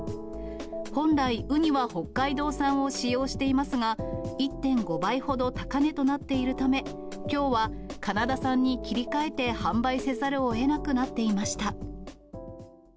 本来、ウニは北海道産を使用していますが、１．５倍ほど高値となっているため、きょうはカナダ産に切り替えて販売せざるをえなくなっていました。